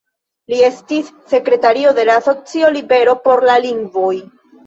Li estis sekretario de la asocio "Libero por la lingvoj".